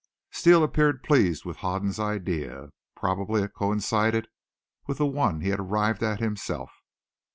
Steele appeared pleased with Hoden's idea. Probably it coincided with the one he had arrived at himself.